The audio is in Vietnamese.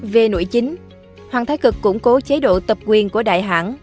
về nội chính hoàng thái cực củng cố chế độ tập quyền của đại hãng